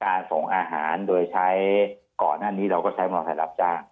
การส่งอาหารโดยใช้ก่อนหน้านี้เราก็ใช้บริการถ่ายรับจ้าง